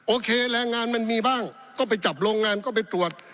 โอเคแรงงานมันมีบ้างก็ไปจับโรงงานก็ไปตรวจ